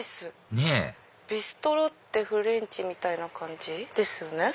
ねぇビストロってフレンチみたいな感じですよね。